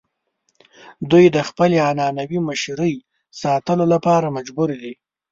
دوی د خپلې عنعنوي مشرۍ ساتلو لپاره مجبور دي.